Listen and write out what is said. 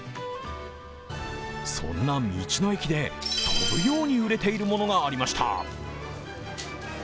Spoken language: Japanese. そんな道の駅で飛ぶように売れているものがありました。